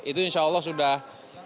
itu insya allah sudah matang lah gitu